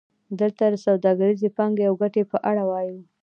دلته د سوداګریزې پانګې او ګټې په اړه وایو